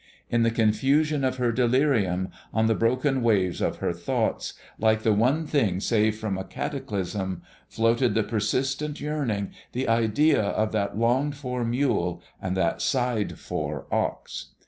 In the confusion of her delirium, on the broken waves of her thoughts, like the one thing saved from a cataclysm, floated the persistent yearning, the idea of that longed for mule and that sighed for ox.